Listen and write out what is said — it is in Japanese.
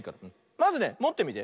まずねもってみて。